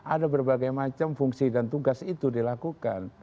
ada berbagai macam fungsi dan tugas itu dilakukan